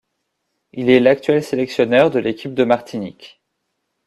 Il est l'actuel sélectionneur de l'équipe de Martinique.